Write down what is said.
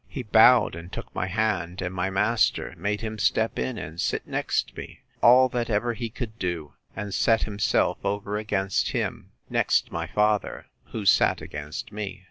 He bowed, and took my hand; and my master made him step in, and sit next me, all that ever he could do; and sat himself over against him, next my father, who sat against me.